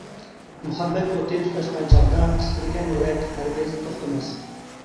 مۇھەببەت ئوتى تۇتاشقان چاغدا، تىترىگەن يۈرەك ھەرگىز توختىماس.